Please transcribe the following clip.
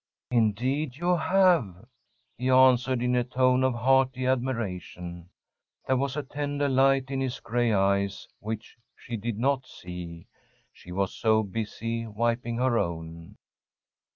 "Indeed you have," he answered, in a tone of hearty admiration. There was a tender light in his gray eyes which she did not see, she was so busy wiping her own.